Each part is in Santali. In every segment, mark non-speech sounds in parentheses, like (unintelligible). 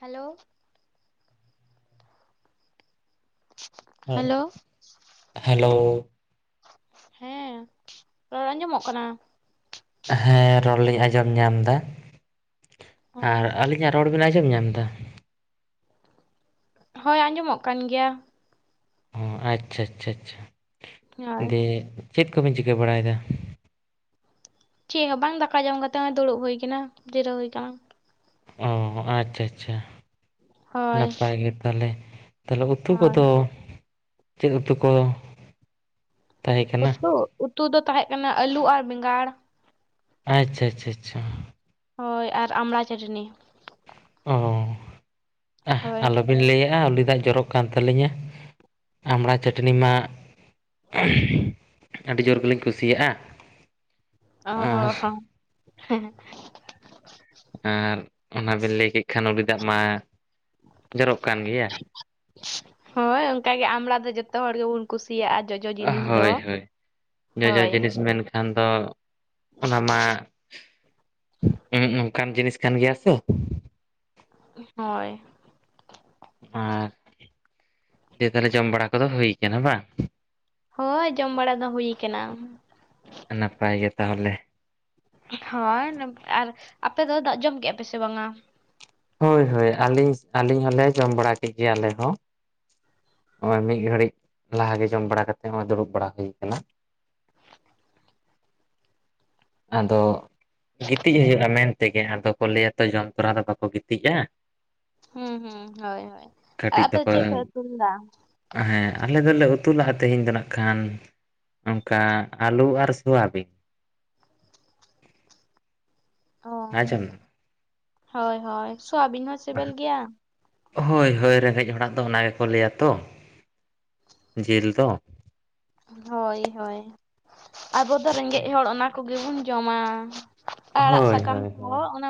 ᱦᱮᱞᱳ ᱦᱮᱸ ᱦᱮᱞᱳ ᱦᱮᱞᱳ ᱦᱮᱸ ᱨᱚᱲ ᱟᱸᱡᱚᱢᱚᱜ ᱠᱟᱱᱟ ᱦᱮᱸ ᱨᱚᱲ ᱞᱤᱧ ᱟᱸᱡᱚᱢ ᱧᱟᱢ ᱫᱟ ᱟᱨ ᱟᱹᱞᱤᱧᱟᱜ ᱨᱚᱲ ᱵᱤᱱ ᱟᱸᱡᱚᱢ ᱧᱟᱢ ᱫᱟ ᱦᱳᱭ ᱟᱸᱡᱚᱢᱚᱜ ᱠᱟᱱ ᱜᱮᱭᱟ ᱚ ᱟᱪᱪᱷᱟ ᱟᱪᱪᱷᱟ ᱟᱪᱷᱟ ᱦᱳᱭ ᱫᱤᱭᱮ ᱪᱮᱫ ᱠᱚᱵᱮᱱ ᱪᱤᱠᱟᱹ ᱵᱟᱲᱟᱭᱮᱫᱟ ᱪᱮᱫ ᱦᱚᱸ ᱵᱟᱝ ᱫᱟᱠᱟ ᱡᱚᱢ ᱠᱟᱛᱮ ᱫᱩᱲᱩᱵ ᱦᱩᱭ ᱠᱟᱱᱟ ᱡᱤᱨᱟᱹᱣ ᱦᱩᱭ ᱠᱟᱱᱟ ᱚ ᱟᱪᱪᱷᱟ ᱟᱪᱪᱷᱟ ᱦᱳᱭ ᱱᱟᱯᱟᱭ ᱜᱮ ᱛᱟᱦᱚᱞᱮ ᱛᱟᱦᱚᱞᱮ ᱩᱛᱩ ᱦᱳᱭ ᱠᱚᱫᱚ ᱪᱮᱫ ᱩᱛᱩ ᱠᱚ ᱛᱟᱦᱮᱸ ᱠᱟᱱᱟ ᱩᱛᱩ ᱩᱛᱩ ᱫᱚ ᱛᱟᱦᱮᱸ ᱠᱟᱱᱟ ᱟᱹᱞᱩ ᱟᱨ ᱵᱮᱸᱜᱟᱲ ᱟᱪᱪᱷᱟ ᱟᱪᱪᱷᱟ ᱟᱪᱪᱷᱟ ᱦᱳᱭ ᱟᱨ ᱟᱢᱲᱟ ᱪᱟᱹᱴᱱᱤ ᱚ ᱟᱦ ᱦᱳᱭ ᱟᱞᱚᱵᱤᱱ ᱞᱟᱹᱭᱟ ᱩᱞᱤ ᱫᱟᱜ ᱡᱚᱨᱚᱜ ᱠᱟᱱ ᱛᱟᱹᱞᱤᱧᱟ ᱟᱢᱲᱟ ᱪᱟᱹᱴᱱᱤ ᱢᱟ ᱟᱹᱰᱤ ᱡᱳᱨ ᱜᱮᱞᱤᱧ ᱠᱩᱥᱤᱭᱟᱜᱼᱟ ᱚ ᱦᱚ ᱟᱨ ᱦᱚᱸ ᱟᱨ ᱚᱱᱟ ᱵᱮᱱ ᱞᱟᱹᱭ ᱠᱮᱫ ᱠᱷᱟᱱ ᱩᱞᱤ ᱫᱟᱜ ᱢᱟ ᱡᱚᱨᱚᱜ ᱠᱟᱱ ᱜᱮᱭᱟ ᱦᱳᱭ ᱚᱱᱠᱟ ᱜᱮ ᱟᱢᱲᱟ ᱫᱚ ᱡᱚᱛᱚ ᱦᱚᱲ ᱜᱮ ᱵᱩᱱ ᱠᱩᱥᱤᱭᱟᱜᱼᱟ ᱡᱚᱡᱚ ᱡᱤᱱᱤᱥ ᱫᱚ ᱦᱳᱭ ᱦᱳᱭ ᱠᱷᱟᱱ ᱫᱚ ᱚᱱᱟ ᱢᱟ ᱩᱸ ᱚᱱᱠᱟᱱ ᱡᱤᱱᱤᱥ ᱠᱟᱱ ᱜᱮᱭᱟ ᱛᱚ ᱦᱳᱭ ᱟᱨ ᱫᱤᱭᱮ ᱛᱟᱦᱚᱞᱮ ᱡᱚᱢ ᱵᱟᱲᱟ ᱠᱚᱫᱚ ᱦᱩᱭᱩ ᱠᱟᱱᱟ ᱵᱟᱝ ᱦᱳᱭ ᱡᱚᱢ ᱵᱟᱲᱟ ᱫᱚ ᱦᱩᱭᱩ ᱠᱟᱱᱟ ᱱᱟᱯᱟᱭ ᱜᱮ ᱛᱟᱦᱚᱞᱮ ᱦᱳᱭ ᱟᱨ ᱟᱯᱮ ᱫᱚ ᱫᱟᱜ ᱡᱚᱢ ᱠᱮᱫᱼᱟ ᱯᱮ ᱥᱮ ᱵᱟᱝᱟ ᱦᱳᱭ ᱦᱳᱭ ᱟᱹᱞᱤᱧ ᱟᱹᱞᱤᱧ ᱦᱚᱞᱮ ᱡᱚᱢ ᱵᱟᱲᱟ ᱠᱮᱫ ᱜᱮᱭᱟ ᱟᱞᱮ ᱦᱚᱸ ᱱᱚᱜ ᱚᱭ ᱢᱤᱫ ᱜᱷᱟᱹᱲᱤᱡ ᱞᱟᱦᱟᱜᱮ ᱡᱚᱢ ᱵᱟᱲᱟ ᱠᱟᱛᱮᱜ ᱱᱚᱜ ᱚᱭ ᱫᱩᱲᱩᱵ ᱵᱟᱲᱟ ᱦᱩᱭ ᱟᱠᱟᱱᱟ ᱟᱫᱚ ᱜᱤᱛᱤᱡ ᱦᱩᱭᱩᱜᱼᱟ ᱢᱮᱱᱛᱮ ᱛᱮᱜᱮ ᱟᱫᱚ ᱠᱚ ᱞᱟᱹᱭᱟ ᱛᱚ ᱡᱚᱢ ᱛᱚᱨᱟ ᱫᱚ ᱵᱟᱠᱚ ᱜᱤᱛᱤᱡᱼᱟ ᱦᱩᱸ ᱦᱸᱩ ᱦᱳᱭ ᱦᱳᱭ ᱠᱟᱹᱴᱤᱡ ᱟᱫᱚ ᱫᱚᱠᱚ ᱪᱮᱫ ᱯᱮ ᱩᱛᱩ ᱞᱮᱫᱟ ᱦᱮᱸ ᱟᱞᱮ ᱫᱚᱞᱮ ᱩᱛᱩ ᱞᱟᱜᱼᱟ ᱛᱮᱦᱮᱧ ᱫᱚ ᱱᱟᱜ ᱠᱷᱟᱱ ᱚᱱᱠᱟ ᱟᱞᱩ ᱟᱨ ᱥᱚᱣᱟᱵᱤᱱ ᱚ ᱟᱸᱡᱚᱢ ᱦᱳᱭ ᱦᱳᱭ ᱥᱚᱣᱟᱵᱤᱱ ᱦᱚᱸ ᱥᱤᱵᱤᱞ ᱜᱮᱭᱟ ᱦᱳᱭ ᱦᱳᱭ ᱨᱮᱸᱜᱮᱡ ᱦᱚᱲᱟᱜ ᱫᱚ ᱚᱱᱟ ᱜᱮᱠᱚ ᱞᱟᱹᱭᱟ ᱛᱚ ᱡᱤᱞ ᱫᱚ ᱦᱳᱭ ᱦᱳᱭ ᱟᱵᱚ ᱫᱚ ᱨᱮᱸᱜᱮᱡ ᱦᱚᱲ ᱚᱱᱟ ᱠᱚᱜᱮ ᱵᱚᱱ ᱡᱚᱢᱟ ᱟᱲᱟᱜ ᱦᱳᱭ ᱥᱟᱠᱟᱢ ᱦᱳᱭ ᱠᱚᱦᱚ ᱦᱳᱭ ᱚᱱᱟ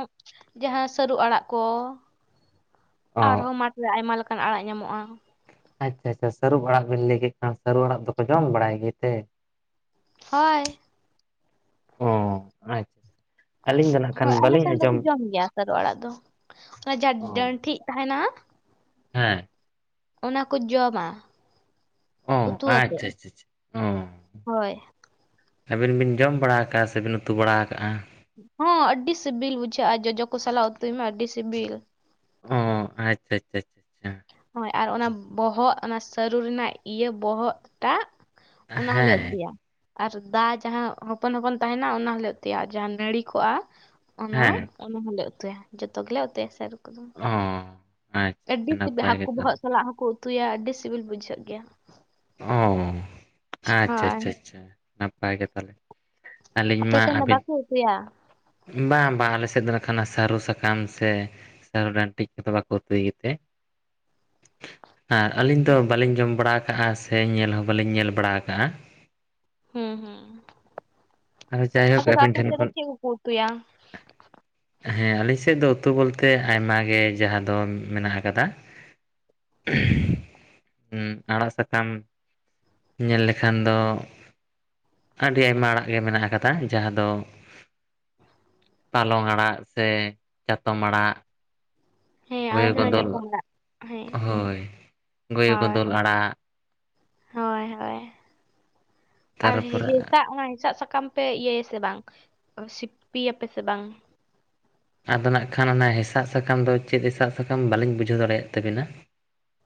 ᱡᱟᱦᱟᱸ ᱥᱟᱹᱨᱩ ᱟᱲᱟᱜ ᱠᱚ ᱚ ᱟᱨᱦᱚᱸ ᱢᱟᱴ ᱟᱭᱢᱟ ᱞᱮᱠᱟᱱ ᱟᱲᱟᱜ ᱧᱟᱢᱚᱜᱼᱟ ᱟᱪᱷᱟ ᱟᱪᱷᱟ ᱥᱟᱹᱨᱩ ᱟᱲᱟᱜ ᱵᱮᱱ ᱞᱟᱹᱭ ᱠᱮᱫ ᱠᱷᱟᱱ ᱥᱟᱹᱨᱩ ᱟᱲᱟᱜ ᱫᱚᱯᱮ ᱡᱚᱢ ᱵᱟᱲᱟᱭ ᱜᱮᱛᱮ ᱦᱳᱭ ᱚ (inaudible) ᱟᱹᱞᱤᱧ ᱫᱚ ᱱᱟᱜ ᱠᱷᱟᱱ ᱵᱟᱹᱞᱤᱧ ᱟᱸᱡᱚᱢ ᱥᱟᱨᱩ ᱚᱲᱟᱜ ᱫᱚ ᱚᱱᱟ ᱡᱟᱦᱟ ᱚ ᱰᱟᱹᱱ ᱴᱷᱤᱡ ᱛᱟᱦᱮᱱᱟ ᱦᱮᱸ ᱚᱱᱟ ᱠᱚ ᱡᱚᱢᱟ ᱚ ᱩᱛᱩ ᱟᱛᱮᱜ ᱟᱪᱷᱟ ᱟᱪᱷᱟ ᱟᱪᱷᱟ ᱚ ᱦᱳᱭ ᱟᱹᱵᱤᱱ ᱵᱤᱱ ᱡᱚᱢ ᱵᱟᱲᱟ ᱠᱟᱜᱼᱟ ᱥᱮᱵᱤᱱ ᱩᱛᱩ ᱵᱟᱲᱟ ᱠᱟᱜᱼᱟ ᱦᱚᱸ ᱟᱹᱰᱤ ᱥᱤᱵᱤᱞ ᱵᱩᱡᱷᱟᱹᱜᱼᱟ ᱡᱚᱡᱚ ᱠᱚ ᱥᱟᱞᱟᱜ ᱩᱛᱩᱭ ᱢᱮ ᱟᱹᱰᱤ ᱥᱤᱵᱤᱞ ᱚ ᱟᱪᱷᱟ ᱟᱪᱷᱟ ᱟᱪᱷᱟ ᱦᱳᱭ ᱟᱨ ᱚᱱᱟ ᱵᱚᱦᱚᱜ ᱚᱱᱟ ᱥᱟᱹᱨᱩ ᱨᱮᱱᱟᱜ ᱤᱭᱟᱹ ᱵᱚᱦᱚᱜ ᱴᱟᱜ ᱚᱱᱟ ᱦᱚᱸᱞᱮ ᱦᱮᱸ ᱩᱛᱩᱭᱟ᱾ ᱟᱨ ᱫᱟ ᱡᱟᱦᱟᱸ ᱦᱚᱯᱚᱱ ᱦᱚᱯᱚᱱ ᱛᱟᱦᱮᱱᱟ ᱚᱱᱟ ᱦᱚᱞᱮ ᱩᱛᱩᱭᱟ᱾ ᱡᱟᱦᱟᱸ ᱱᱟᱹᱲᱤ ᱠᱚᱜᱼᱟ ᱚᱱᱟ ᱦᱮᱸ ᱚᱱᱟ ᱦᱚᱸᱞᱮ ᱩᱛᱩᱭᱟ ᱡᱚᱛᱚ ᱜᱮᱞᱮ ᱩᱛᱩᱭᱟ ᱥᱟᱹᱨᱩ ᱠᱚᱫᱚ᱾ ᱦᱚᱸ ᱟᱹᱰᱤ (unintelligible) ᱦᱟᱠᱩ ᱵᱚᱦᱚᱜ ᱥᱟᱞᱟᱜ ᱦᱚᱸᱠᱚ ᱩᱛᱩᱭᱟ ᱟᱹᱰᱤ ᱥᱤᱵᱤᱞ ᱵᱩᱡᱷᱟᱹᱜ ᱜᱮᱭᱟ᱾ ᱚᱻ ᱟᱪᱪᱷᱟ ᱦᱳᱭ ᱟᱪᱪᱷᱟ ᱟᱪᱪᱷᱟ ᱱᱟᱯᱟᱭ ᱜᱮ ᱛᱟᱦᱚᱞᱮ᱾ ᱟᱞᱤᱧ ᱟᱯᱮ ᱢᱟ ᱥᱮᱱ ᱫᱚ ᱟᱵᱤᱱ ᱵᱟᱠᱚ ᱩᱛᱩᱭᱟ ᱵᱟᱝ ᱵᱟᱝ ᱟᱞᱮ ᱥᱮᱫ ᱫᱚ ᱱᱟᱠᱷᱟᱱ ᱟᱜ ᱥᱟᱹᱨᱩ ᱥᱟᱠᱟᱢ ᱥᱮ ᱥᱟᱹᱨᱩ ᱰᱟᱱᱴᱤᱡ ᱠᱚᱫᱚ ᱵᱟᱠᱚ ᱩᱛᱩᱭ ᱜᱮᱛᱮ ᱟᱨ ᱟᱹᱞᱤᱧ ᱫᱚ ᱦᱩᱸ ᱵᱟᱹᱞᱤᱧ ᱡᱚᱢ ᱵᱟᱲᱟ ᱠᱟᱜᱼᱟ ᱥᱮ ᱧᱮᱞ ᱦᱚᱸ ᱵᱟᱹᱞᱤᱧ ᱧᱮᱞ ᱵᱟᱲᱟ ᱠᱟᱜᱼᱟ᱾ ᱦᱩᱸ ᱦᱩᱸ᱾ ᱡᱟᱭᱦᱳᱠ ᱟᱫᱚ ᱟᱹᱵᱤᱱ ᱟᱯᱮ ᱴᱷᱮᱱ ᱥᱮᱫ ᱫᱚ ᱠᱷᱚᱱ ᱪᱮᱫ ᱠᱚᱠᱚ ᱩᱛᱩᱭᱟ? ᱦᱮᱸ ᱟᱞᱤᱧ ᱥᱮᱫ ᱫᱚ ᱩᱛᱩ ᱵᱚᱞᱛᱮ ᱟᱭᱢᱟ ᱜᱮ ᱡᱟᱦᱟᱸ ᱫᱚ ᱢᱮᱱᱟᱜ ᱟᱠᱟᱫᱟ ᱦᱩᱸ ᱟᱲᱟᱜ ᱥᱟ (unintelligible) ᱧᱮᱞ ᱞᱮᱠᱷᱟᱱ ᱫᱚ ᱟᱹᱰᱤ ᱟᱭᱢᱟ ᱟᱲᱟᱜ ᱜᱮ ᱢᱮᱱᱟᱜ ᱟᱠᱟᱫᱟ, ᱡᱟᱦᱟᱸ ᱫᱚ ᱦᱟᱞᱚᱝ ᱟᱲᱟᱜ ᱥᱮ ᱪᱟᱛᱚᱢ ᱟᱲᱟᱜ᱾ ᱦᱮᱸ ᱟᱞᱮ ᱜᱳᱭᱚ ᱥᱮᱫ ᱫᱚ ᱜᱚᱱᱫᱚᱞ ᱪᱟᱛᱚᱢ ᱟᱲᱟᱜ ᱦᱮᱸ ᱦᱳᱭ ᱜᱳᱭᱚ ᱦᱳᱭ ᱜᱚᱱᱫᱚᱞ ᱟᱲᱟᱜ, ᱦᱳᱭ ᱦᱳᱭ ᱟᱨ ᱦᱤᱭᱟ ᱛᱟᱨᱯᱚᱨᱮ ᱴᱟᱜ ᱦᱚᱸ ᱦᱮᱸᱥᱟᱜ ᱥᱟᱠᱟᱢ ᱯᱮ ᱤᱭᱟᱹ ᱭᱟ ᱥᱮ ᱵᱟᱝ ᱥᱤᱯᱤᱭᱟ ᱯᱮ ᱥᱮ ᱵᱟᱝ? ᱟᱫᱚ ᱱᱟᱜ ᱠᱷᱟᱱ ᱚᱱᱟ ᱦᱮᱸᱥᱟᱜ ᱥᱟᱠᱟᱢ ᱫᱚ ᱪᱮᱫ ᱦᱮᱸᱥᱟᱜ ᱥᱟᱠᱟᱢ ᱵᱟᱞᱤᱧ ᱵᱩᱡᱷᱟᱹᱣ ᱫᱟᱲᱮᱭᱟᱜ ᱛᱟᱵᱤᱱᱟ?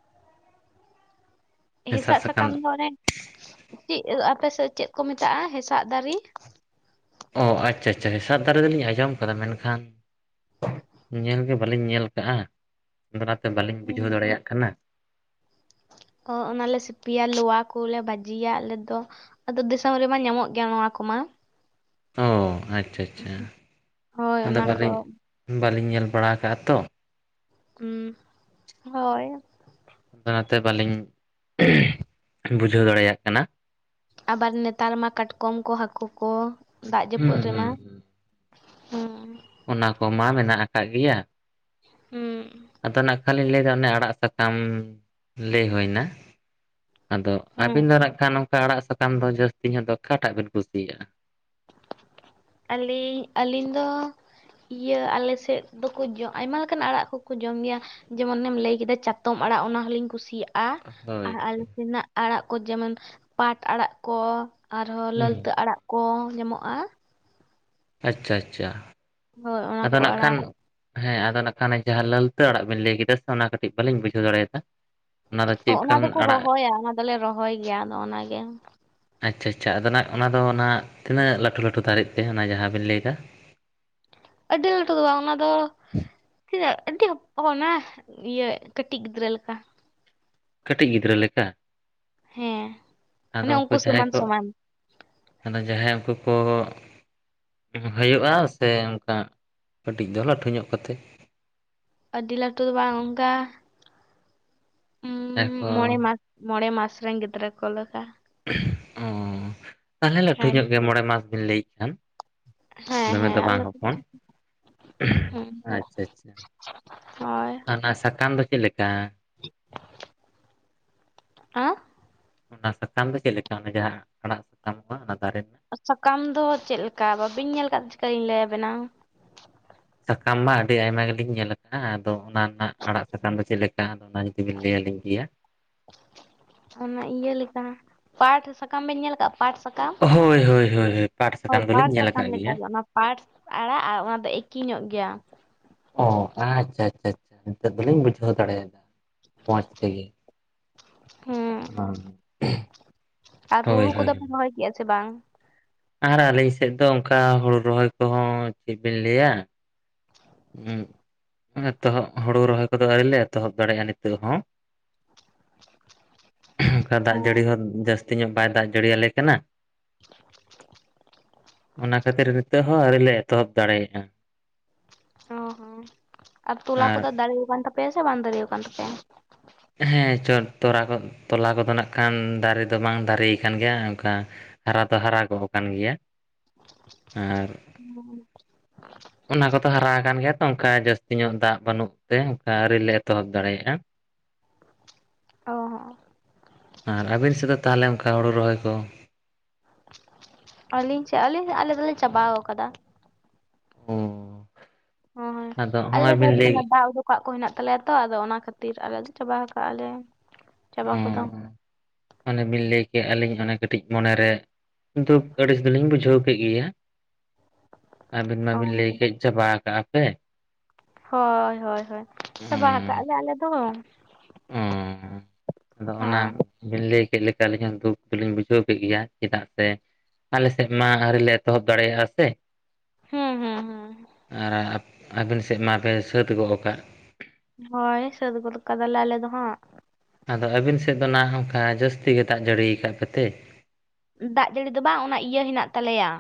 (inaudible) ᱦᱮᱸᱥᱟᱜ ᱥᱟᱠᱟᱢ ᱫᱚ ᱚᱱᱮ ᱪᱮᱜ ᱟᱯᱮ ᱥᱮᱜ ᱪᱮᱜ ᱠᱚ ᱢᱮᱛᱟᱜᱼᱟ ᱦᱮᱸᱥᱟᱜ ᱫᱟᱨᱤ ᱚ ᱟᱪᱷᱟ ᱟᱪᱷᱟ ᱦᱮᱸᱥᱟᱜ ᱫᱟᱨᱮ ᱫᱚᱞᱤᱧ ᱟᱸᱡᱚᱢ ᱠᱟᱫᱟ ᱢᱮᱱ ᱠᱷᱟᱱ ᱧᱮᱞᱜᱮ ᱵᱟᱹᱞᱤᱧ ᱧᱮᱞ ᱠᱟᱜᱼᱟ ᱫᱚ ᱚᱱᱟ ᱛᱮ ᱵᱟᱞᱤᱧ ᱵᱩᱡᱷᱟᱹᱣ ᱫᱟᱲᱮᱭᱟᱜ ᱠᱟᱱᱟ᱾ ᱚ ᱚᱱᱟ ᱞᱮ ᱥᱤᱯᱤᱭᱟ, ᱞᱚᱣᱟ ᱠᱚ ᱞᱮ ᱵᱷᱟᱹᱡᱤᱭᱟ ᱟᱞᱮ ᱫᱚ᱾ ᱟᱫᱚ ᱫᱤᱥᱚᱢ ᱨᱮᱢᱟ ᱧᱟᱢᱚᱜ ᱜᱮᱭᱟ ᱱᱚᱣᱟ ᱠᱚᱢᱟ᱾ ᱚ ᱟᱪᱪᱷᱟ ᱟᱪᱪᱷᱟ ᱦᱳᱭ ᱟᱫᱚ ᱚᱱᱟ ᱠᱚ ᱵᱟᱞᱤᱧ ᱵᱟᱞᱤᱧ ᱧᱮᱞ ᱵᱟᱲᱟ ᱠᱟᱜᱼᱟ ᱛᱚ᱾ ᱦᱳᱭ ᱚᱱᱟᱛᱮ ᱵᱟᱞᱤᱧ (inaudible) ᱵᱩᱡᱷᱟᱹᱣ ᱫᱟᱲᱮᱭᱟᱜ ᱠᱟᱱᱟ᱾ ᱟᱵᱟᱨ ᱱᱮᱛᱟᱨ ᱢᱟ ᱠᱟᱴᱠᱚᱢ ᱠᱚ ᱦᱟᱠᱩ ᱠᱚ ᱫᱟᱜ ᱦᱩᱸ ᱡᱟᱹᱯᱩᱫ ᱦᱩᱸ ᱨᱮᱢᱟ᱾ ᱦᱩᱸ ᱦᱩᱸ ᱚᱱᱟ ᱠᱚᱢᱟ ᱢᱮᱱᱟᱜ ᱟᱠᱟᱜ ᱜᱮᱭᱟ, ᱦᱩᱸ ᱟᱫᱚ ᱱᱟ ᱠᱷᱟᱱ ᱞᱤᱧ ᱞᱟᱹᱭᱮᱫᱟ ᱚᱱᱮ ᱟᱲᱟᱜ ᱥᱟᱠᱟᱢ ᱞᱟᱹᱭ ᱦᱩᱭᱱᱟ ᱟᱫᱚ ᱦᱩᱸ ᱟᱹᱵᱤᱱ (unintelligible) ᱠᱷᱟᱱ ᱱᱚᱝᱠᱟ ᱟᱲᱟᱜ ᱥᱟᱠᱟᱢ ᱫᱚ ᱡᱟᱹᱥᱛᱤ ᱧᱚᱜ ᱫᱚ ᱚᱠᱟᱴᱟᱜ ᱵᱤᱱ ᱠᱩᱥᱤᱭᱟᱜᱼᱟ? ᱟᱹᱞᱤᱧ, ᱟᱹᱞᱤᱧ ᱫᱚ ᱤᱭᱟᱹ ᱟᱞᱮ ᱥᱮᱫ ᱫᱚᱠᱚ ᱡᱚᱢ ᱟᱭᱢᱟ ᱞᱮᱠᱟᱱ ᱟᱲᱟᱜ ᱠᱚᱠᱚ ᱡᱚᱢ ᱜᱮᱭᱟ᱾ ᱡᱮᱢᱚᱱ ᱮᱢ ᱞᱟᱹᱭ ᱠᱮᱫᱟ ᱪᱟᱛᱚᱢ ᱟᱲᱟᱜ ᱚᱱᱟ ᱦᱚᱞᱤᱧ ᱠᱩᱥᱤᱭᱟᱜ- ᱟ, ᱟᱨ ᱦᱳᱭ ᱟᱞᱮ ᱦᱳᱭ ᱥᱮᱱᱟᱜ ᱟᱲᱟᱜ ᱠᱚ ᱡᱮᱢᱚᱱ ᱯᱟᱴ ᱟᱲᱟᱜ ᱠᱚ ᱟᱨᱦᱚᱸ ᱦᱩᱸ ᱞᱟᱹᱞᱛᱟᱹ ᱟᱲᱟᱜ ᱠᱚ ᱧᱟᱢᱚᱜᱼᱟ᱾ ᱟᱪᱪᱷᱟ ᱟᱪᱪᱷᱟ, ᱦᱳᱭ ᱚᱱᱟ ᱟᱫᱚ ᱠᱚ ᱟᱲᱟᱜ ᱱᱟᱠᱷᱟᱱ ᱦᱮᱸ ᱟᱫᱚ ᱱᱟᱠᱷᱟᱱ ᱡᱟᱦᱟᱸ ᱞᱟᱹᱞᱛᱟᱹ ᱟᱲᱟᱜ ᱵᱤᱱ ᱞᱟᱹᱭ ᱠᱮᱫᱟ ᱥᱮ ᱚᱱᱟ ᱠᱟᱹᱴᱤᱡ ᱵᱟᱞᱤᱧ ᱵᱩᱡᱷᱟᱹᱣ ᱫᱟᱲᱮᱭᱟᱫᱟ ᱾ ᱚ ᱚᱱᱟ ᱫᱚᱠᱚ ᱨᱚᱦᱚᱭᱟ, ᱚᱱᱟ ᱫᱚᱞᱮ ᱨᱚᱦᱚᱭ ᱜᱮᱭᱟ ᱟᱫᱚ ᱚᱱᱟ ᱜᱮ᱾ ᱟᱪᱪᱷᱟ ᱟᱪᱪᱷᱟ ᱟᱫᱚ ᱱᱟᱜ ᱚᱱᱟ ᱫᱚ ᱱᱟᱜ ᱛᱤᱱᱟᱹᱜ ᱞᱟᱹᱴᱷᱩ ᱞᱟᱹᱴᱷᱩ ᱫᱟᱨᱮᱜ ᱛᱮ ᱚᱱᱟ ᱡᱟᱦᱟᱸ ᱵᱤᱱ ᱞᱟᱹᱭ ᱫᱟ᱾ ᱟᱹᱰᱤ ᱞᱟᱹᱴᱩᱜ-ᱟ ᱚᱱᱟ ᱫᱚ ᱪᱮᱫᱟᱜ ᱟᱹᱰᱤ ᱦᱚᱯ ᱚᱱᱟ, ᱤᱭᱟᱹ ᱠᱟᱹᱴᱤᱡ ᱜᱤᱫᱽᱨᱟᱹ ᱞᱮᱠᱟ᱾ ᱠᱟᱹᱴᱤᱡ ᱜᱤᱫᱽᱨᱟᱹ ᱞᱮᱠᱟ ᱦᱮᱸ ᱟᱫᱚ ᱚᱱᱮ ᱩᱱᱠᱩ ᱡᱟᱦᱟᱸᱭ ᱥᱚᱢᱟᱱ ᱠᱚ ᱥᱚᱢᱟᱱ ᱟᱫᱚ ᱡᱟᱦᱟᱸᱭ ᱩᱱᱠᱩ ᱠᱚ ᱦᱳᱭᱳᱜᱼᱟ ᱥᱮ ᱚᱱᱠᱟ ᱠᱟᱹᱴᱤᱡ ᱫᱚ ᱞᱟᱹᱴᱷᱩ ᱧᱚᱜ ᱠᱟᱛᱮ᱾ ᱟᱹᱰᱤ ᱞᱟᱹᱴᱩ ᱫᱚ ᱵᱟᱝ ᱚᱱᱠᱟ ᱡᱟᱦᱟᱸᱭ ᱠᱚ ᱢᱚᱬᱮ ᱢᱟᱥ ᱢᱚᱬᱮ ᱢᱟᱥ ᱨᱮᱱ ᱜᱤᱫᱽᱨᱟᱹ ᱠᱚ ᱞᱮᱠᱟ᱾ (unintelligible) ᱛᱟᱦᱚᱞᱮ ᱞᱟᱹᱴᱷᱩ ᱦᱮᱸ ᱧᱚᱜ ᱜᱮ ᱢᱚᱬᱮ ᱢᱟᱥ ᱵᱤᱱ ᱞᱟᱹᱭᱮᱫ ᱠᱷᱟᱱ ᱦᱮᱸ ᱫᱚᱢᱮ ᱫᱚ ᱦᱮᱸ ᱵᱟᱝ ᱦᱚᱯᱚᱱ (unintelligible) ᱦᱩᱸ ᱟᱪᱪᱷᱟ ᱟᱪᱪᱷᱟ ᱦᱳᱭ ᱚᱱᱟ ᱥᱟᱠᱟᱢ ᱫᱚ ᱪᱮᱫ ᱞᱮᱠᱟ? ᱟ ᱚᱱᱟ ᱥᱟᱠᱟᱢ ᱫᱚ ᱪᱮᱫ ᱞᱮᱠᱟ ᱚᱱᱟ ᱡᱟᱦᱟᱸ ᱟᱲᱟᱜ ᱥᱟᱠᱟᱢᱚᱜᱼᱟ ᱚᱱᱟ ᱫᱟᱨᱮ ᱥᱟᱠᱟᱢ ᱫᱚ ᱪᱮᱫ ᱞᱮᱠᱟ ᱵᱟᱹᱵᱤᱱ ᱧᱮᱞ ᱠᱟᱫ ᱪᱤᱠᱟᱹᱧ ᱞᱟᱹᱭᱟ ᱵᱤᱱᱟ ᱥᱟᱠᱟᱢ ᱢᱟ ᱟᱹᱰᱤ ᱟᱭᱢᱟ ᱜᱮᱞᱤᱧ ᱧᱮᱞ ᱠᱟᱜᱼᱟ ᱟᱫᱚ ᱚᱱᱟ ᱟᱸᱜ ᱟᱲᱟᱜ ᱥᱟᱠᱟᱢ ᱫᱚ ᱪᱮᱫ ᱞᱮᱠᱟ ᱟᱫᱚ ᱚᱱᱟ ᱡᱩᱫᱤ ᱵᱤᱱ ᱞᱟᱹᱭᱟᱹᱞᱤᱧ ᱜᱤᱭᱟ ᱚᱱᱟ ᱤᱭᱟᱹ ᱞᱮᱠᱟ ᱯᱟᱴ ᱥᱟᱠᱟᱢ ᱵᱮᱱ ᱧᱮᱞ ᱠᱟᱜ? ᱯᱟᱴ ᱥᱟᱠᱟᱢ ᱦᱳᱭ ᱦᱳᱭ ᱦᱳᱭ ᱦᱳᱭ ᱯᱟᱴ ᱦᱳᱭ ᱥᱟᱠᱟᱢ ᱫᱚᱞᱤᱧ ᱯᱟᱴ ᱧᱮᱞ ᱥᱟᱠᱟᱢ ᱟᱠᱟᱫ ᱞᱮᱠᱟ ᱜᱮᱭᱟ᱾ ᱜᱮ ᱚᱱᱟ ᱾ ᱯᱟᱴ ᱟᱲᱟᱜ ᱟᱨ ᱚᱱᱟ ᱫᱚ ᱮᱠᱤ ᱧᱚᱜ ᱜᱮᱭᱟ ᱾ ᱚ ᱟᱪᱪᱷᱟ ᱟᱪᱪᱷᱟ ᱟᱪᱷᱟ ᱱᱤᱛᱚᱜ ᱫᱚᱞᱤᱧ ᱵᱩᱡᱷᱟᱹᱣ ᱫᱟᱲᱮᱭᱟᱫᱟ ᱢᱚᱸᱡᱽ ᱛᱮᱜᱮ ᱾ ᱦᱮᱸ ᱟᱨ ᱦᱩᱲᱩ ᱦᱳᱭ ᱠᱚᱫᱚ ᱯᱮ ᱦᱳᱭ ᱨᱚᱦᱚᱭ ᱠᱮᱜᱼᱟ ᱥᱮ ᱵᱟᱝ ᱟᱨ ᱟᱹᱞᱤᱧ ᱥᱮᱫ ᱫᱚ ᱚᱱᱠᱟ ᱦᱩᱲᱩ ᱨᱚᱦᱚᱭ ᱠᱚᱦᱚᱸ ᱪᱮᱫ ᱵᱤᱱ ᱞᱟᱹᱭᱟ ᱦᱩᱸ ᱮᱛᱚᱦᱚᱵ ᱦᱩᱲᱩ ᱨᱚᱦᱚᱭ ᱠᱚᱫᱚ ᱟᱹᱣᱨᱤ ᱞᱮ ᱮᱛᱚᱦᱚᱵ ᱫᱟᱲᱮᱭᱟᱜᱼᱟ ᱱᱤᱛᱚᱜ ᱦᱚᱸ ᱾ (inaudible) ᱚᱱᱠᱟ ᱚ ᱫᱟᱜ ᱡᱟᱹᱲᱤ ᱦᱚᱸ ᱡᱟᱹᱥᱛᱤ ᱧᱚᱜ ᱵᱟᱭ ᱫᱟᱜ ᱡᱟᱹᱲᱤᱭᱟ ᱞᱮ ᱠᱟᱱᱟ ᱾ (inaudible) ᱚᱱᱟ ᱠᱷᱟᱹᱛᱤᱨ ᱱᱤᱛᱚᱜ ᱦᱚᱸ ᱟᱹᱣᱨᱤ ᱞᱮ ᱮᱛᱚᱦᱚᱵ ᱫᱟᱲᱮᱭᱟᱜᱼᱟ ᱾ ᱚ ᱦᱚ ᱟᱨ ᱛᱚᱞᱟ ᱠᱚᱫᱚ ᱫᱟᱨᱮ ᱠᱟᱱ ᱛᱟᱯᱮᱭᱟ ᱥᱮ ᱵᱟᱝ ᱫᱟᱨᱮ ᱠᱟᱱ ᱛᱟᱯᱮᱭᱟ? ᱦᱮᱸ ᱪᱚ ᱛᱚᱞᱟ ᱠᱚ ᱛᱚᱞᱟ ᱠᱚᱫᱚ ᱱᱟᱜ ᱠᱷᱟᱱ ᱫᱟᱨᱮ ᱫᱚ ᱵᱟᱝ ᱫᱟᱨᱮ ᱠᱟᱱ ᱜᱮᱭᱟ ᱚᱱᱠᱟ ᱦᱟᱨᱟ ᱫᱚ ᱦᱟᱨᱟ ᱜᱚᱜ ᱠᱟᱱ ᱜᱮᱭᱟ ᱟᱨ (inaudible) ᱚᱱᱟ ᱠᱚᱛᱚ ᱦᱟᱨᱟ ᱠᱟᱱ ᱜᱮᱭᱟ ᱛᱚ ᱚᱱᱠᱟ ᱡᱟᱹᱥᱛᱤ ᱧᱚᱜ ᱫᱟᱜ ᱵᱟᱹᱱᱩᱜ ᱛᱮ ᱚᱱᱠᱟ ᱟᱹᱣᱨᱤ ᱞᱮ ᱮᱛᱚᱦᱚᱵ ᱫᱟᱲᱮᱭᱟᱜᱼᱟ ᱾ ᱚ ᱦᱚᱸ ᱟᱨ ᱟᱹᱵᱤᱱ ᱥᱮᱫ ᱫᱚ ᱛᱟᱦᱚᱞᱮ ᱚᱱᱠᱟ ᱦᱩᱲᱩ ᱨᱚᱦᱚᱭ ᱠᱚ? ᱟᱹᱞᱤᱧ ᱪᱮᱫ ᱟᱹᱞᱤᱧ ᱟᱞᱮ ᱫᱚᱞᱮ ᱪᱟᱵᱟᱣ ᱠᱟᱫᱟ ᱾ ᱚᱻ ᱦᱚᱭ ᱟᱞᱮ ᱫᱚ ᱚᱱᱟ ᱫᱟᱜ ᱠᱚᱣᱟᱜ ᱠᱚ ᱦᱮᱱᱟᱜ ᱛᱟᱞᱮᱭᱟ ᱛᱚ ᱟᱫᱚ ᱚᱱᱟ ᱠᱷᱟᱹᱛᱤᱨ ᱟᱞᱮ ᱫᱚ ᱪᱟᱵᱟ ᱠᱟᱜᱼᱟᱞᱮ ᱚ ᱪᱟᱵᱟ ᱠᱚᱫᱚ ᱚᱱᱮ ᱵᱤᱱ ᱞᱟᱹᱭ ᱠᱮᱫ ᱟᱹᱞᱤᱧ ᱚᱱᱮ ᱠᱟᱹᱴᱤᱡ ᱢᱚᱱᱮ ᱨᱮ ᱾ ᱠᱤᱱᱛᱩ ᱟᱹᱲᱤᱥ ᱜᱮᱞᱤᱧ ᱵᱩᱡᱷᱟᱹᱣ ᱠᱮᱜ ᱜᱮᱭᱟ ᱾ ᱟᱹᱵᱤᱱ ᱚ ᱢᱟᱵᱤᱱ ᱞᱟᱹᱭ ᱠᱮᱫ ᱪᱟᱵᱟ ᱠᱟᱜᱼᱟ ᱯᱮ ᱾ ᱦᱳᱭ ᱦᱳᱭ ᱦᱳᱭ ᱪᱟᱵᱟ ᱠᱟᱜᱼᱟ ᱞᱮ ᱟᱞᱮ ᱫᱚ ᱾ ᱚ ᱟᱫᱚ ᱚᱱᱟᱼᱼ ᱵᱤᱱ ᱞᱟᱹᱭ ᱠᱮᱫ ᱞᱮᱠᱟ ᱟᱹᱞᱤᱧ ᱦᱚᱸ ᱫᱩᱠ ᱫᱚᱞᱤᱧ ᱵᱩᱡᱷᱟᱹᱣ ᱠᱮᱫ ᱜᱮᱭᱟ ᱪᱮᱫᱟᱜ ᱥᱮᱼᱼ ᱟᱞᱮ ᱥᱮᱫ ᱢᱟ ᱟᱹᱣᱨᱤ ᱞᱮ ᱮᱛᱚᱦᱚᱵ ᱫᱟᱲᱮᱭᱟᱜᱼᱟ ᱥᱮ ᱾ ᱦᱮᱸ ᱦᱮᱸ ᱾ ᱟᱨ ᱟᱵᱤᱱ ᱥᱮᱫ ᱢᱟᱯᱮ ᱥᱟᱹᱛ ᱜᱚᱫ ᱠᱟᱜ ᱾ ᱦᱳᱭ ᱥᱟᱹᱛ ᱜᱚᱫ ᱠᱟᱫᱟᱞᱮ ᱟᱞᱮ ᱫᱚ ᱦᱟᱸᱜ ᱾ ᱟᱫᱚ ᱟᱹᱵᱤᱱ ᱥᱮᱫ ᱫᱚ ᱱᱟᱦᱟᱜ ᱚᱱᱠᱟ ᱡᱟᱹᱥᱛᱤ ᱜᱮ ᱫᱟᱜ ᱡᱟᱹᱲᱤᱭᱟᱠᱟᱫ ᱯᱮᱛᱮ? ᱫᱟᱜ ᱡᱟᱹᱲᱤ ᱫᱚ ᱵᱟᱝ ᱚᱱᱟ ᱤᱭᱟᱹ ᱦᱮᱱᱟᱜ ᱛᱟᱞᱮᱭᱟᱼᱼ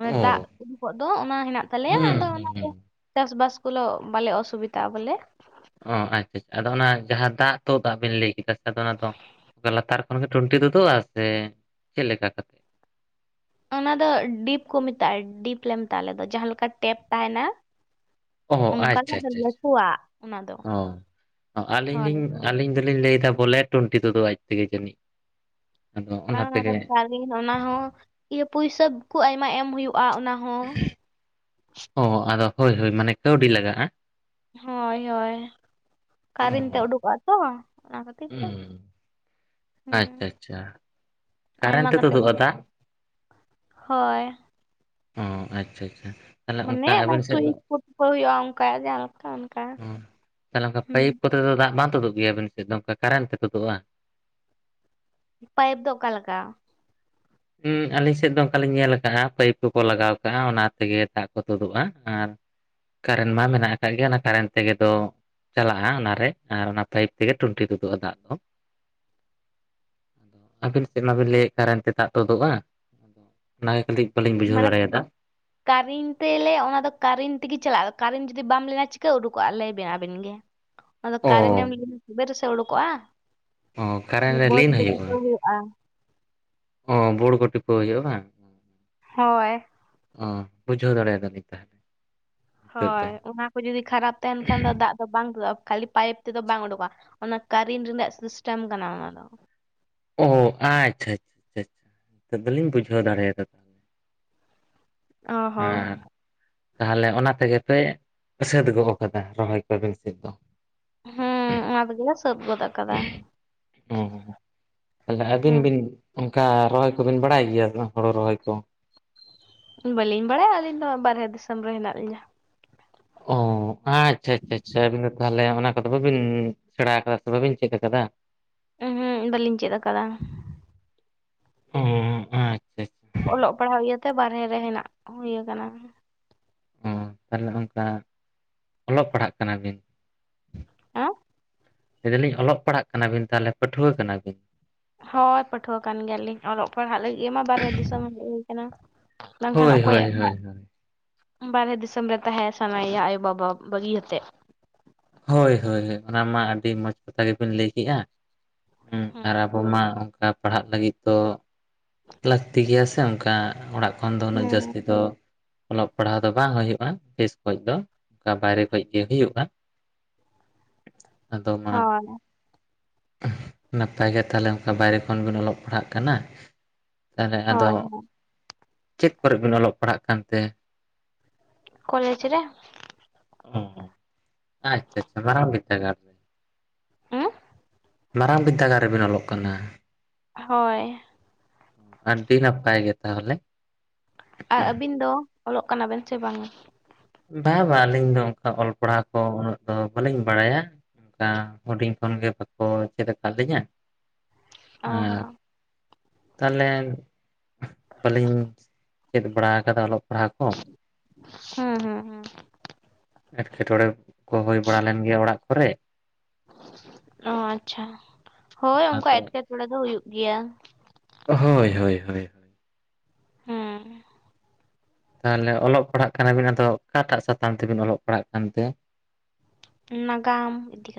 ᱚᱱᱮ ᱫᱟᱜ ᱚ ᱩᱰᱩᱠᱚᱜ ᱫᱚ ᱚᱱᱟ ᱦᱮᱱᱟᱜ ᱛᱟᱞᱮᱭᱟ ᱦᱩᱸ ᱟᱫᱚ ᱦᱩᱸ ᱚᱱᱟ ᱫᱚ ᱦᱩᱸ ᱪᱟᱥᱵᱟᱥ ᱠᱚᱞᱚ ᱵᱟᱞᱮ ᱚᱥᱩᱵᱤᱫᱟᱜᱼᱟ ᱵᱚᱞᱮ ᱾ ᱚ ᱟᱪᱪᱷᱟ ᱟᱪᱪᱷᱟ ᱟᱫᱚ ᱚᱱᱟ ᱡᱟᱦᱟᱸ ᱫᱟᱜ ᱛᱚ ᱫᱟᱜ ᱵᱮᱱ ᱞᱟᱹᱭ ᱠᱮᱫᱟ ᱥᱮ ᱟᱫᱚ ᱚᱱᱟ ᱫᱚ ᱞᱟᱛᱟᱨᱼᱼ ᱚᱱᱮ ᱴᱩᱱᱴᱤ ᱛᱩᱫᱩᱜ ᱟ ᱥᱮ ᱪᱮᱫ ᱞᱮᱠᱟ ᱠᱟᱛᱮ? ᱚᱱᱟ ᱫᱚ ᱰᱤᱯ ᱠᱚ ᱢᱮᱛᱟᱜᱼᱟ ᱰᱤᱯ ᱞᱮ ᱢᱮᱛᱟᱜᱼᱟ ᱟᱞᱮ ᱫᱚ ᱡᱟᱦᱟᱸ ᱞᱮᱠᱟ ᱴᱮᱯ ᱛᱟᱦᱮᱱᱟ ᱾ ᱚ ᱚᱱᱠᱟ ᱟᱪᱪᱷᱟ ᱟᱪᱪᱷᱟ ᱟᱪᱪᱷᱟ ᱚᱱᱟ ᱫᱚ ᱦᱳᱭ ᱾ ᱟᱞᱤᱧ ᱫᱚᱞᱤᱧ ᱞᱟᱹᱭᱮᱫᱟ ᱵᱚᱞᱮ ᱴᱩᱱᱴᱤ ᱛᱮᱫᱚ ᱟᱡ ᱛᱮᱜᱮ ᱡᱟᱹᱱᱤᱡ ᱾ ᱚᱱᱟ ᱦᱚᱸ ᱤᱭᱟᱹ ᱯᱩᱭᱥᱟᱹ ᱠᱚ ᱟᱭᱢᱟ ᱮᱢ ᱦᱩᱭᱩᱜᱼᱟ ᱚᱱᱟ ᱦᱚᱸ ᱾ ᱚ ᱟᱫᱚ ᱦᱳᱭ ᱦᱳᱭ ᱢᱟᱱᱮ ᱠᱟᱹᱣᱰᱤ ᱞᱟᱜᱟᱜᱼᱟ ᱾ ᱦᱳᱭ ᱦᱳᱭ ᱚ ᱠᱟᱨᱮᱱ ᱛᱮ ᱩᱰᱩᱠᱚᱜᱼᱟ ᱛᱚ ᱚᱱᱟ ᱠᱷᱟᱹᱛᱤᱨ ᱛᱮ ᱾ ᱦᱩᱸ ᱟᱪᱪᱷᱟ ᱟᱪᱪᱷᱟ ᱾ ᱟᱭᱢᱟ ᱠᱟ ᱠᱟᱛᱮ ᱦᱳᱭ ᱾ ᱚᱸ ᱟᱪᱪᱷᱟ ᱟᱪᱪᱷᱟ ᱾ ᱢᱟᱱᱮ ᱚᱱᱟ ᱥᱩᱭᱤᱪ ᱠᱚ ᱦᱩᱭᱩᱜᱼᱟ ᱚᱱᱠᱟ ᱡᱟᱦᱟᱸ ᱞᱮᱠᱟ ᱚᱱᱠᱟ ᱦᱩ ᱾ ᱛᱮᱫᱚ ᱫᱟᱜ ᱵᱟᱝ ᱛᱩᱫᱩᱜ ᱜᱮᱭᱟ ᱟᱵᱤᱱ ᱥᱮᱫ ᱫᱚ ᱚᱱᱠᱟ ᱠᱟᱨᱮᱱ ᱛᱮ ᱛᱩᱫᱩᱜᱼᱟ? ᱯᱟᱭᱤᱯ ᱫᱚ ᱚᱠᱟᱞᱮᱠᱟ? ᱦᱩ ᱟᱹᱞᱤᱧ ᱥᱮᱫ ᱫᱚ ᱚᱱᱠᱟᱞᱤᱧ ᱧᱮᱞ ᱠᱟᱜᱼᱟ ᱯᱟᱹᱭᱤᱯ ᱠᱚᱠᱚ ᱞᱟᱜᱟᱣ ᱠᱟᱜᱼᱟ, ᱚᱱᱟ ᱛᱮᱜᱮ ᱫᱟᱜ ᱠᱚ ᱛᱳᱫᱳᱜᱼᱟ ᱟᱨᱼᱼ ᱠᱟᱨᱮᱱ ᱢᱟ ᱢᱮᱱᱟᱜ ᱟᱠᱟᱜ ᱜᱮ ᱚᱱᱟ ᱠᱟᱨᱮᱱᱴ ᱛᱮᱜᱮ ᱛᱚ ᱪᱟᱞᱟᱜᱼᱟ ᱚᱱᱟᱨᱮ ᱟᱨ ᱚᱱᱟ ᱯᱟᱭᱤᱯ ᱛᱮᱜᱮ ᱴᱩᱱᱴᱤ ᱛᱩᱫᱩᱜᱼᱟ ᱫᱟᱜ ᱫᱚ ᱾ (inaudible) ᱟᱵᱤᱱ ᱥᱮᱫ ᱢᱟᱵᱤᱱ ᱞᱟᱹᱭᱮᱫ ᱠᱟᱨᱮᱱ ᱛᱮ ᱫᱟᱜ ᱛᱩᱫᱩᱜᱼᱟ, ᱟᱫᱚ ᱚᱱᱟᱜᱮ ᱠᱟᱹᱴᱤᱡ ᱵᱟᱹᱞᱤᱧ ᱵᱩᱡᱷᱟᱹᱣ ᱫᱟᱲᱮᱭᱟᱫᱟ? ᱠᱟᱨᱮᱱ ᱛᱮ ᱞᱮ ᱚᱱᱟᱫᱚ ᱠᱟᱨᱮᱱ ᱛᱮᱜᱮ ᱪᱟᱞᱟᱜᱼᱟ, ᱠᱟᱨᱮᱱ ᱡᱩᱫᱤ ᱵᱟᱢ ᱞᱟᱜᱟᱣ ᱪᱤᱠᱟᱹ ᱩᱰᱩᱠᱚᱜᱼᱟ ᱞᱟᱹᱭᱵᱮᱱ ᱟᱵᱤᱱ ᱜᱮ? ᱟᱫᱚ ᱚ ᱠᱟᱨᱮᱱ ᱮᱢ ᱜᱩᱡᱷᱟᱹᱣ ᱛᱚᱵᱮ ᱨᱮᱥᱮ ᱩᱰᱩᱠᱚᱜᱼᱟ ᱚ ᱚᱱᱟ ᱠᱟᱨᱮᱱ ᱨᱮ ᱵᱳᱰ ᱞᱤᱱ ᱠᱚ ᱴᱤᱯᱟᱹᱣ ᱦᱩᱭᱩᱜᱼᱟ ᱾ ᱚᱻ ᱚ ᱵᱳᱲ ᱠᱚ ᱴᱤᱯᱟᱹᱣ ᱦᱩᱭᱩᱜᱼᱟ ᱵᱟᱝ? ᱦᱳᱭ ᱾ ᱚᱻ ᱵᱩᱡᱷᱟᱹᱣ ᱫᱟᱲᱮᱭᱟᱫᱞᱤᱧ ᱛᱟᱦᱚᱞᱮ ᱾ ᱦᱳᱭ ᱚᱱᱟ ᱠᱚ ᱡᱩᱫᱤ ᱠᱷᱟᱨᱟᱯ ᱛᱟᱦᱮᱱ ᱠᱷᱟᱱ ᱫᱚ ᱫᱟᱜ ᱫᱚ ᱵᱟᱝ ᱳᱰᱳᱠᱚᱜᱼᱟ ᱠᱷᱟᱹᱞᱤ ᱯᱟᱭᱤᱯ ᱛᱮᱫᱚ ᱵᱟᱝ ᱳᱰᱳᱠᱚᱜᱼᱟ ᱾ ᱚᱱᱟ ᱠᱟᱨᱮᱱ ᱨᱮᱱᱟᱜ ᱥᱤᱥᱴᱮᱢ ᱠᱟᱱᱟ ᱚᱱᱟ ᱫᱚ ᱾ ᱚ ᱟᱪᱪᱷᱟᱻᱟᱪᱪᱷᱟᱻᱟᱪᱪᱷᱟ ᱟᱫᱚᱞᱤᱧ ᱵᱩᱡᱷᱟᱹᱣ ᱫᱟᱲᱮᱭᱟᱫᱟ ᱛᱟᱦᱚᱞᱮ ᱾ ᱚ ᱦᱚᱸ ᱦᱮᱸ ᱛᱟᱦᱞᱮ ᱚᱱᱟ ᱛᱮᱜᱮ ᱯᱮ ᱥᱟᱹᱛ ᱜᱚᱜ ᱠᱟᱫᱟ ᱨᱚᱦᱚᱭ ᱠᱚ ᱟᱵᱤᱱ ᱥᱮᱜ ᱫᱚ? ᱦᱮᱸ ᱚᱱᱟ ᱛᱮᱜᱮᱞᱮ ᱥᱟᱹᱛ ᱜᱚᱫ ᱠᱟᱫᱟ ᱾ ᱚ ᱛᱟᱦᱚᱞᱮ ᱟᱹᱵᱤᱱ ᱵᱤᱱ ᱚᱱᱠᱟ ᱨᱚᱦᱚᱭ ᱠᱚᱵᱤᱱ ᱵᱟᱲᱟᱭ ᱜᱮᱭᱟ ᱦᱳᱲᱩ ᱨᱚᱦᱚᱭ ᱠᱚ? ᱵᱟᱹᱞᱤᱧ ᱵᱟᱲᱟᱭᱟ ᱟᱹᱞᱤᱧ ᱫᱚ ᱵᱟᱨᱦᱮ ᱫᱤᱥᱚᱢ ᱨᱮ ᱦᱮᱱᱟᱜ ᱞᱤᱧᱟᱹ ᱾ ᱚ ᱟᱪᱪᱷᱟᱻᱟᱪᱪᱷᱟᱻᱟᱪᱪᱷᱟ ᱟᱵᱤᱱ ᱫᱚ ᱛᱟᱦᱚᱞᱮ ᱚᱱᱟ ᱠᱚᱫᱚ ᱵᱤᱱ ᱥᱮᱬᱟ ᱠᱟᱫᱟ ᱥᱮ ᱵᱟᱹᱵᱤᱱ ᱪᱮᱫ ᱠᱟᱫᱟ? ᱩᱦᱩᱸ ᱵᱟᱹᱞᱤᱧ ᱪᱮᱫ ᱠᱟᱫᱟ ᱾ ᱚ ᱟᱪᱪᱷᱟ ᱾ ᱚᱞᱚᱜ ᱯᱟᱲᱦᱟᱣ ᱤᱭᱟᱹᱛᱮ ᱵᱟᱨᱦᱮ ᱨᱮ ᱦᱮᱱᱟᱜ ᱦᱩᱭ ᱟᱠᱟᱱᱟ ᱾ ᱚ ᱛᱟᱦᱞᱮ ᱚᱱᱠᱟ ᱚᱞᱚᱜ ᱯᱟᱲᱦᱟᱜ ᱠᱟᱱᱟ ᱵᱤᱱ? (unintelligible) ᱞᱟᱹᱭᱮᱫᱟᱞᱤᱧ ᱚᱞᱚᱜ ᱯᱟᱲᱦᱟᱜ ᱠᱟᱱᱟ ᱵᱤᱱ ᱛᱟᱦᱚᱞᱮ ᱯᱟᱹᱴᱷᱩᱣᱟᱹ ᱠᱟᱱᱟᱵᱤᱱ? ᱦᱳᱭ ᱯᱟᱹᱴᱷᱩᱣᱟᱹ ᱠᱟᱱ ᱜᱮᱭᱟᱞᱤᱧ ᱚᱞᱚᱜ ᱯᱟᱲᱦᱟᱜ ᱞᱟᱹᱜᱤᱫ ᱢᱟ ᱵᱟᱨᱦᱮ ᱫᱤᱥᱚᱢ ᱦᱮᱡ ᱦᱩᱭ ᱠᱟᱱᱟ᱾ ᱵᱟᱝᱠᱷᱟᱱ ᱦᱳᱭ ᱦᱳᱭ ᱚᱠᱚᱭᱟᱜ ᱦᱳᱭ ᱦᱳᱭ ᱵᱟᱨᱦᱮ ᱫᱤᱥᱚᱢ ᱨᱮ ᱛᱟᱦᱮᱸ ᱥᱟᱱᱟᱭᱮᱭᱟ ᱟᱭᱳᱵᱟᱵᱟ ᱵᱟᱹᱜᱤ ᱭᱟᱛᱮᱜ᱾ ᱦᱳᱭ ᱦᱳᱭ ᱚᱱᱟ ᱢᱟ ᱟᱹᱰᱤ ᱢᱚᱡᱽ ᱠᱟᱛᱷᱟ ᱜᱮᱵᱤᱱ ᱞᱟᱹᱭ ᱠᱮᱜᱼᱟ᱾ ᱦᱩᱸ ᱟᱨ ᱦᱮᱸ ᱟᱵᱚ ᱢᱟ ᱚᱱᱠᱟ ᱯᱟᱲᱦᱟᱜ ᱞᱟᱹᱜᱤᱫ ᱫᱚ ᱞᱟᱹᱠᱛᱤ ᱜᱮᱭᱟ ᱥᱮ ᱚᱱᱠᱟ ᱚᱲᱟᱜ ᱠᱷᱚᱱ ᱫᱚ ᱩᱱᱟᱹᱜ ᱦᱮᱸ ᱡᱟᱹᱥᱛᱤ ᱫᱚ ᱚᱞᱚᱜ ᱯᱟᱲᱦᱟᱣ ᱫᱚ ᱵᱟᱝ ᱦᱩᱭᱩᱜᱼᱟ, ᱵᱮᱥ ᱠᱷᱚᱡ ᱫᱚ ᱚᱱᱠᱟ ᱵᱟᱭᱨᱮ ᱠᱷᱚᱡ ᱜᱮ ᱦᱩᱭᱩᱜᱼᱟ᱾ (inaudible) ᱟᱫᱚ ᱢᱟ ᱦᱳᱭ ᱱᱟᱯᱟᱭ ᱜᱮ ᱛᱟᱦᱚᱞᱮ ᱚᱱᱠᱟ ᱵᱟᱭᱨᱮ ᱠᱷᱚᱱ ᱵᱤᱱ ᱚᱞᱚᱜ ᱯᱟᱲᱦᱟᱜ ᱠᱟᱱᱟ᱾ ᱛᱟᱦᱚᱞᱮ ᱟᱫᱚ ᱦᱳᱭ ᱪᱮᱫ ᱠᱚᱨᱮ ᱵᱤᱱ ᱚᱞᱚᱜ ᱯᱟᱲᱦᱟᱜ ᱠᱟᱱᱛᱮ? ᱠᱚᱞᱮᱡᱽ ᱨᱮ ᱚ ᱟᱪᱪᱷᱟ ᱟᱪᱪᱷᱟ ᱢᱟᱨᱟᱝ ᱢᱤᱫᱟᱹᱜᱟᱲ ᱦᱩᱸ ᱢᱟᱨᱟᱝ ᱵᱤᱫᱽᱫᱟᱹᱜᱟᱲ ᱨᱮᱵᱤᱱ ᱚᱞᱚᱜ ᱠᱟᱱᱟ? ᱦᱳᱭ᱾ ᱟᱹᱰᱤ ᱱᱟᱯᱟᱭ ᱜᱮ ᱛᱟᱦᱚᱞᱮ᱾ ᱟᱨ ᱟᱹᱵᱤᱱ ᱫᱚ ᱚᱞᱚᱜ ᱠᱟᱱᱟ ᱵᱮᱱ ᱥᱮ ᱵᱟᱝᱟ ᱵᱟᱝ ᱵᱟᱝ ᱟᱹᱞᱤᱧ ᱫᱚ ᱚᱱᱠᱟ ᱚᱞ ᱯᱟᱲᱦᱟᱣ ᱠᱚ ᱩᱱᱟᱹᱜ ᱫᱚ ᱵᱟᱹᱞᱤᱧ ᱵᱟᱲᱟᱭᱟ (unintelligible) ᱦᱩᱰᱤᱧ ᱠᱷᱚᱱ ᱜᱮ ᱵᱟᱠᱚ ᱪᱮᱫ ᱟᱠᱟᱫ ᱞᱤᱧᱟᱹ ᱚ ᱟᱨ ᱦᱚᱸ ᱛᱟᱦᱞᱮ ᱵᱟᱹᱞᱤᱧ ᱪᱮᱫ ᱵᱟᱲᱟᱣ ᱟᱠᱟᱫᱟ ᱚᱞᱚᱜ ᱯᱟᱲᱦᱟᱜ ᱠᱚ ᱦᱮᱸ ᱦᱮᱸ ᱮᱴᱠᱮᱴᱚᱬᱮ ᱠᱚ ᱦᱩᱭ ᱵᱟᱲᱟ ᱞᱮᱱ ᱜᱮᱭᱟ ᱚᱲᱟᱜ ᱠᱚᱨᱮ ᱚ ᱟᱪᱪᱷᱟ ᱦᱳᱭ ᱚᱱᱠᱟ ᱚᱱᱟᱛᱮ ᱮᱴᱠᱮᱴᱚᱬᱮ ᱫᱚ ᱦᱩᱭᱩᱜ ᱜᱮᱭᱟ ᱦᱳᱭ ᱦᱳᱭ ᱦᱳᱭ ᱦᱩᱼᱼ ᱛᱟᱦᱚᱞᱮ ᱚᱞᱚᱜ ᱯᱟᱲᱦᱟᱜ ᱠᱟᱱᱟᱵᱤᱱ ᱟᱫᱚ ᱚᱠᱟᱴᱟᱜ ᱥᱟᱛᱟᱢ ᱛᱮᱵᱤᱱ ᱚᱞᱚᱜ ᱯᱟᱲᱦᱟᱜ ᱠᱟᱱ ᱛᱮ ᱱᱟᱜᱟᱢ ᱤᱫᱤ ᱠᱟᱛᱮ